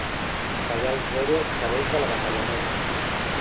Tallar al zero els cabells de la bacallanera.